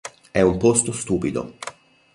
È un posto stupido".